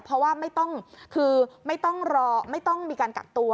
เพราะว่าไม่ต้องรอไม่ต้องมีการกักตัว